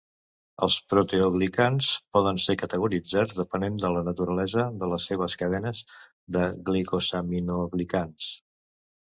Els proteoglicans poden ser categoritzats depenent de la naturalesa de les seves cadenes de glicosaminoglicans.